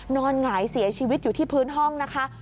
หงายเสียชีวิตอยู่ที่พื้นห้องนะคะ